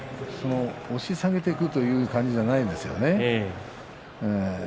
押し下げていくという感じじゃないですよね。